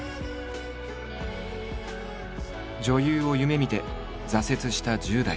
女優を夢みて挫折した１０代。